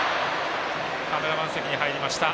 カメラマン席に入りました。